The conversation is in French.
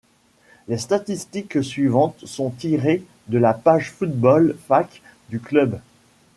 Les statistiques suivantes sont tirées de la page footballfacts du club.